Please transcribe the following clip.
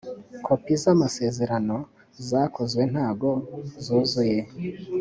kopi z’amasezerano zakozwe ntago zuzuye